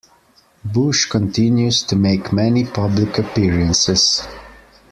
Bush continues to make many public appearances.